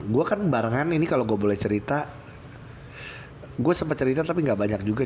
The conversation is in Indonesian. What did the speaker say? gue kan barengan ini kalau gue boleh cerita gue sempat cerita tapi gak banyak juga